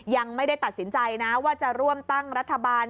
ยังไม่ได้ตัดสินใจนะว่าจะร่วมตั้งรัฐบาล